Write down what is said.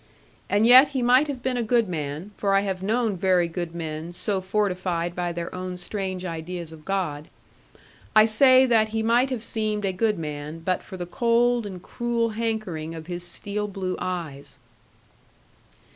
And yet he might have been a good man (for I have known very good men so fortified by their own strange ideas of God): I say that he might have seemed a good man, but for the cold and cruel hankering of his steel blue eyes.